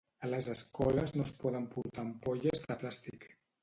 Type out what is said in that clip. A les escoles no es poden portar ampolles de plàstic.